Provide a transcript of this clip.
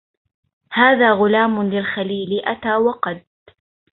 هذا غلام للخليل أتى وقد